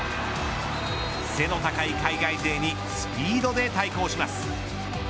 背の高い海外勢にスピードで対抗します。